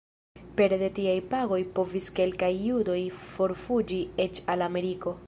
Pere de tiaj pagoj povis kelkaj judoj forfuĝi eĉ al Ameriko.